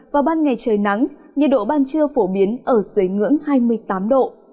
vào ban ngày trời nắng nhiệt độ ban trưa phổ biến ở dưới ngưỡng hai mươi tám độ